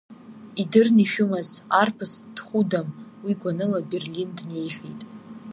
Идырны ишәымаз, арԥыс дхәыдам уи гәаныла Берлин днеихьеит.